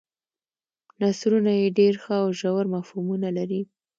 نثرونه یې ډېر ښه او ژور مفهومونه لري.